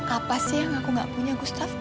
apa sih yang aku gak punya gustaf